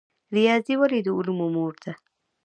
ریاضي ولې د علومو مور ده؟